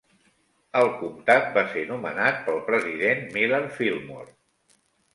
El comtat va ser nomenat pel president Millard Fillmore.